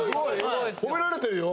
褒められてるよ！